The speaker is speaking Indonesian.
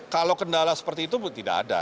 kalau kendala seperti itu tidak ada